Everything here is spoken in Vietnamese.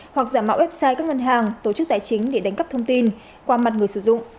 hoặc giả mạo website các ngân hàng tổ chức tài chính để đánh cắp thông tin qua mặt người sử dụng